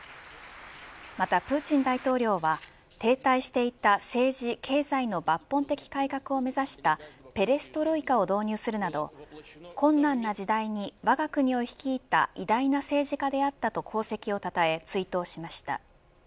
またプーチン大統領は停滞していた政治、経済の抜本的改革を目指したペレストロイカを導入するなど困難な時代に、わが国を率いた偉大な政治家であったと功績を称え、追悼しました。